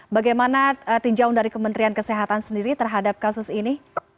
bagaimana tinjau dari kementerian kesehatan sendiri terhadap kasus ini